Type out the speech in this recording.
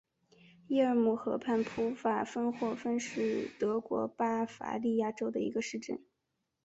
伊尔姆河畔普法芬霍芬是德国巴伐利亚州的一个市镇。